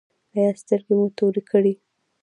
ایا سترګې مو تورې کیږي؟